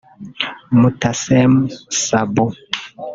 Motasem Sabbou